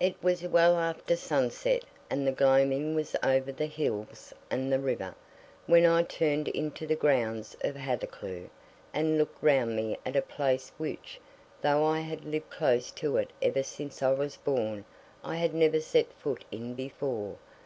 It was well after sunset, and the gloaming was over the hills and the river, when I turned into the grounds of Hathercleugh and looked round me at a place which, though I had lived close to it ever since I was born, I had never set foot in before.